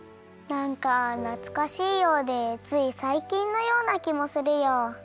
なんかなつかしいようでついさいきんのようなきもするよ。